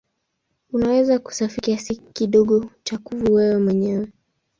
Unaweza kusafisha kiasi kidogo cha kuvu wewe mwenyewe.